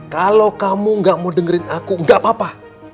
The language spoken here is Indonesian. kalau kamu gak mau dengerin aku nggak apa apa